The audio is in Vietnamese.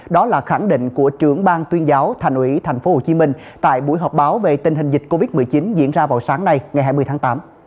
đó là khẳng định của trưởng ban tuyên giáo thành ủy tp hcm tại buổi họp báo về tình hình dịch covid một mươi chín diễn ra vào sáng nay ngày hai mươi tháng tám